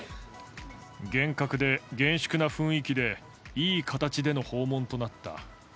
厳格で厳粛な雰囲気で、いい形での訪問となった。